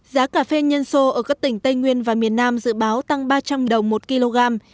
giá cà phê nhân sô ở các tỉnh tây nguyên và miền nam dự báo tăng ba trăm linh đồng một kg